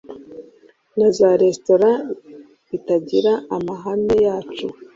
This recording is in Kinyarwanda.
na za resitora bitatira amahame yacu